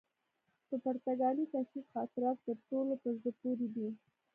د پرتګالي کشیش خاطرات تر ټولو په زړه پوري دي.